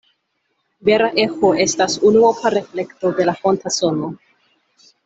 Vera eĥo estas unuopa reflekto de la fonta sono.